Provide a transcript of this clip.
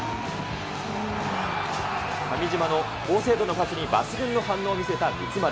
上島の高精度なパスに抜群の反応を見せた三丸。